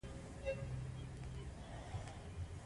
د دې مبارزې موخه د پانګوالي نظام له منځه وړل دي